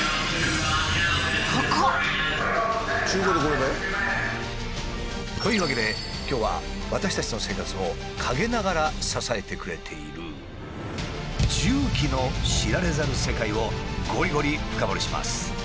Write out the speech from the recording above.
中古でこれだよ。というわけで今日は私たちの生活を陰ながら支えてくれている重機の知られざる世界をゴリゴリ深掘りします。